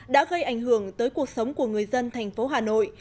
đã gây ảnh hưởng tới cuộc sống của người dân thành phố hà nội